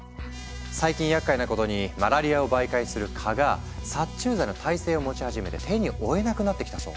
最近やっかいなことにマラリアを媒介する蚊が殺虫剤の耐性を持ち始めて手に負えなくなってきたそう。